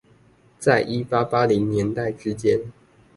在一八八零年代之間